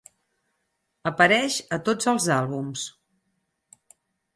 Apareix a tots els àlbums.